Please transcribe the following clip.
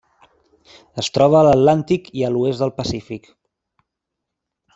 Es troba a l'Atlàntic i a l'oest del Pacífic.